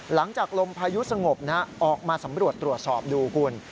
หลังจากลมพายุสงบออกมาสำรวจตรวจสอบดูคุณ